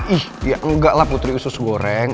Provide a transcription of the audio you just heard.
ih ya enggak lah putri usus goreng